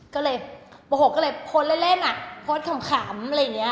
ก็เลยโมโหก็เลยโพสต์เล่นอ่ะโพสต์ขำอะไรอย่างนี้